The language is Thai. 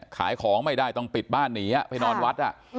ขายของไม่ได้ต้องปิดบ้านหนีไปนอนวัด